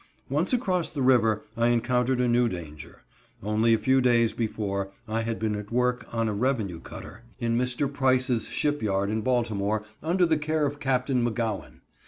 Once across the river, I encountered a new danger. Only a few days before, I had been at work on a revenue cutter, in Mr. Price's ship yard in Baltimore, under the care of Captain McGowan.